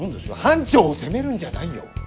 班長を責めるんじゃないよ！